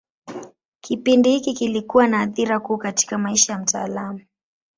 Kipindi hiki kilikuwa na athira kuu katika maisha ya mtaalamu.